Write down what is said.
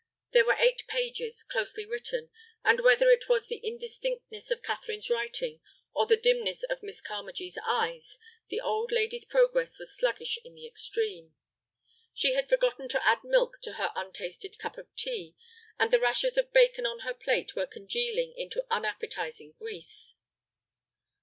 There were eight pages, closely written, and whether it was the indistinctness of Catherine's writing, or the dimness of Miss Carmagee's eyes, the old lady's progress was sluggish in the extreme. She had forgotten to add milk to her untasted cup of tea, and the rashers of bacon on her plate were congealing into unappetizing grease.